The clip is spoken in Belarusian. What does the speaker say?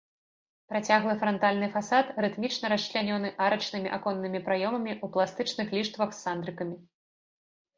Працяглы франтальны фасад рытмічна расчлянёны арачнымі аконнымі праёмамі ў пластычных ліштвах з сандрыкамі.